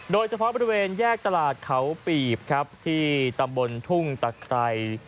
โดยเฉพาะบริเวณแยกตลาดเขาปีบครับที่ตำบลทุ่งตะไคร